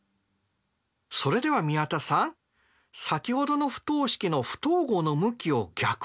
それでは宮田さん先ほどの不等式の不等号の向きを逆にしてみましょう。